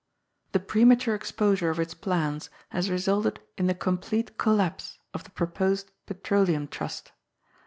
" The premature exposure of its plans has resulted in the complete collapse of the proposed petroleum trust.